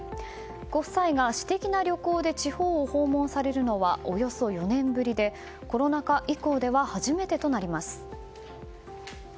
ご夫妻が私的な旅行で地方を訪問されるのはおよそ４年ぶりでコロナ禍以降では初めてとなります。